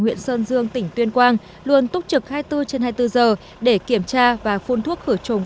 huyện sơn dương tỉnh tuyên quang luôn túc trực hai mươi bốn trên hai mươi bốn giờ để kiểm tra và phun thuốc khử trùng